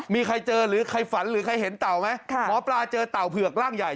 มีใครเจอหรือใครฝันหรือใครเห็นเต่าไหมหมอปลาเจอเต่าเผือกร่างใหญ่